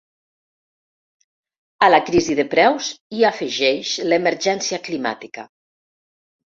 A la crisi de preus, hi afegeix l’emergència climàtica.